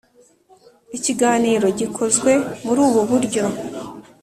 ikiganiro gikozwe muri ubu buryo